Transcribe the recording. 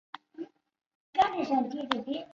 曾经担任驻莫斯科挪威大使。